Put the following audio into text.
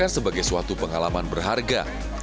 dan juga sebagai suatu pengalaman berharga